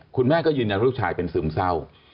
คุณแม่ก็ยืนยันว่าลูกชายเป็นซึมเศร้า